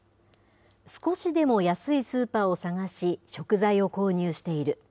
少しでも安いスーパーを探し、食材を購入している。